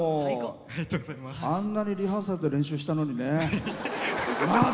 あんなにリハーサルで練習したのにね。